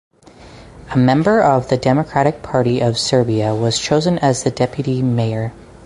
A member of the Democratic Party of Serbia was chosen as deputy mayor.